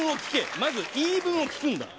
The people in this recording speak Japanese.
まず言い分を聞くんだ。